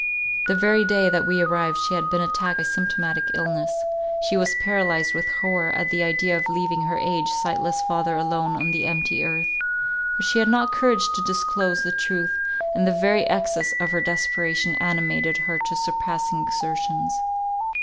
The very day that we arrived she had been attacked by symptomatic illness. She was paralyzed with horror at the idea of leaving her aged, sightless father alone on the empty earth; but she had not courage to disclose the truth, and the very excess of her desperation animated her to surpassing exertions.